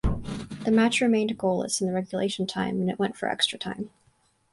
The match remained goalless in the regulation time and it went for extra time.